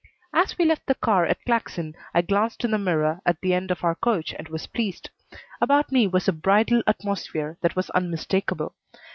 As we left the car at Claxon I glanced in the mirror at the end of our coach and was pleased. About me was a bridal atmosphere that was unmistakable.